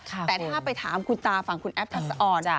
แต่ถ้าไปถามคุณตาฝั่งคุณแอฟทักษะอ่อน